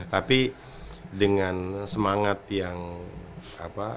tapi dengan semangat yang apa